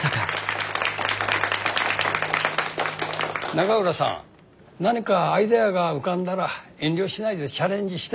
永浦さん何かアイデアが浮かんだら遠慮しないでチャレンジして。